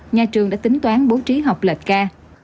nhà trường đã tính toán bố trí học lệch ca